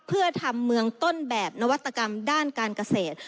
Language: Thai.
เพื่อทำเมืองต้นแบบนวัตกรรมด้านการเกษตร